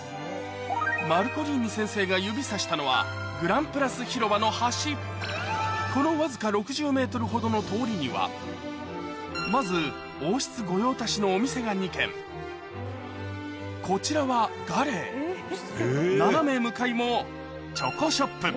マルコリーニ先生が指さしたのはグランプラス広場の端このわずか６０ｍほどの通りにはまずのお店が２軒こちらは斜め向かいもチョコショップ